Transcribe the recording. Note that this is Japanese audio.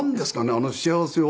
あの幸せを。